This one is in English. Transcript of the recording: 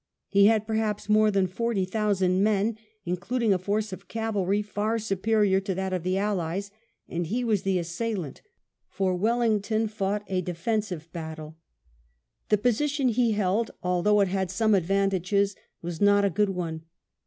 He had perhaps more than forty thousand men, including a force of cavalry far superior to that of the Allies ; and he was the assailant, for Wellington fought a defensive battle. The position he held, although it had some advantages, was not a good one.